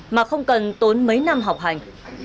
mà không cần tốn mấy năm học hành